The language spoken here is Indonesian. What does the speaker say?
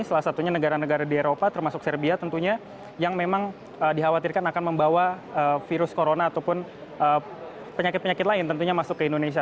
salah satunya negara negara di eropa termasuk serbia tentunya yang memang dikhawatirkan akan membawa virus corona ataupun penyakit penyakit lain tentunya masuk ke indonesia